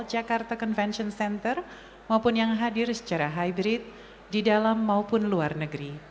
jakarta convention center maupun yang hadir secara hybrid di dalam maupun luar negeri